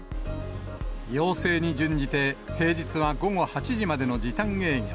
要請に準じて、平日は午後８時までの時短営業。